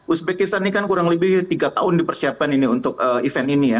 uzbekistan ini kan kurang lebih tiga tahun dipersiapkan